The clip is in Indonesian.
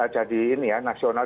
jadi ini ya nasional